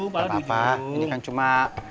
nggak apa apa ini kan cuma